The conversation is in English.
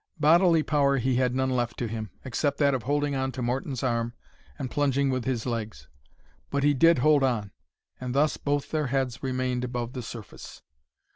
Bodily power he had none left to him, except that of holding on to Morton's arm and plunging with his legs; but he did hold on, and thus both their heads remained above the surface.